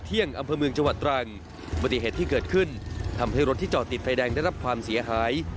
ทำให้รถที่จอดติดไฟแดงได้รับความเสียหาย